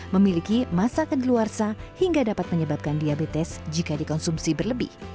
memiliki masa kedeluarsa hingga dapat menyebabkan diabetes jika dikonsumsi berlebih